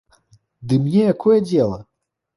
Ды мне якое дзела?